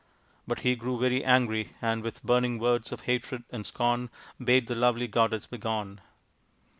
But he grew very angry, and with burning words of hatred and scorn bade the lovely goddess begone.